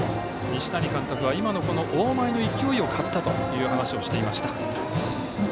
西谷監督は今の大前の勢いを買ったという話をしていました。